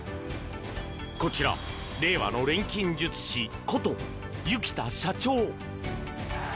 こちら、令和の錬金術師こと油木田社長。